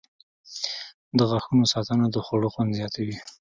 • د غاښونو ساتنه د خوړو خوند زیاتوي.